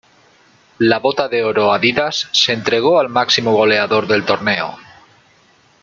La Bota de Oro Adidas se entregó al máximo goleador del torneo.